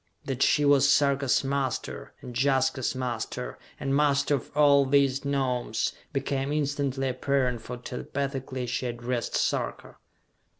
That she was Sarka's master, and Jaska's master, and master of all these Gnomes, became instantly apparent for telepathically she addressed Sarka.